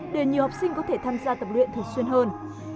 để nhiều học sinh có thể tham gia tập luyện thường xuyên hơn